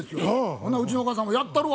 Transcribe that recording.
ほなうちのお母さんも「やったるわ」